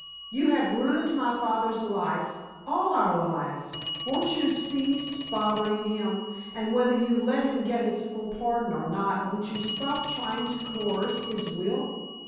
You have ruined my father's life—all our lives; won't you cease bothering him, and, whether you let him get his full pardon or not, won't you stop trying to coerce his will?"